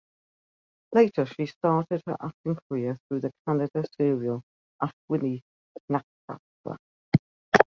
Later she started her acting career through the Kannada serial "Ashwini Nakshatra".